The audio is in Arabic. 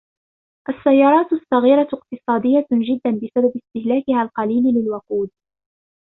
السيارات الصغيرة اقتصادية جدا بسبب استهلاكها القليل للوقود.